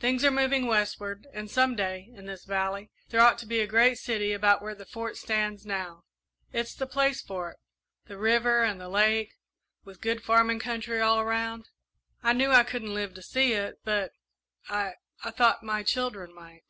Things are moving westward, and some day, in this valley, there ought to be a great city about where the Fort stands now. It's the place for it the river and the lake, with good farming country all around. I knew I couldn't live to see it, but I I thought my children might."